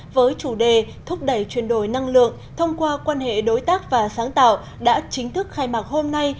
với chủ đề thúc đẩy chuyển đổi năng lượng thông qua quan hệ đối tác và sáng tạo đã chính thức khai mạc hôm nay